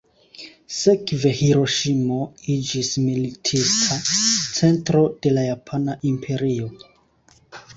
Sekve Hiroŝimo iĝis militista centro de la japana imperio.